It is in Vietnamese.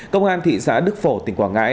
công an thị xã đức phổ tỉnh quảng ngãi